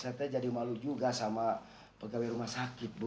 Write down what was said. saya jadi malu juga sama pegawai rumah sakit bu